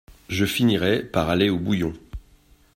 Je finirai par aller au bouillon…